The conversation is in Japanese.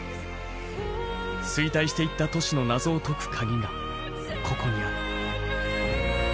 衰退していった都市の謎を解く鍵がここにある。